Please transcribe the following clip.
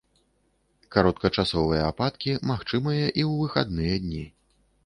Кароткачасовыя ападкі магчымыя і ў выхадныя дні.